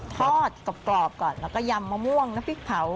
ทอดกรอบก่อนแล้วก็ยำมะม่วงน้ำพริกเผา